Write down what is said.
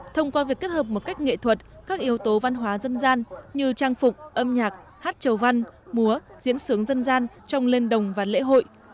thông qua việc kết hợp một cách nghệ thuật các yếu tố văn hóa dân gian như trang phục âm nhạc hát trầu văn múa diễn sướng dân gian trong lên đồng và lễ hội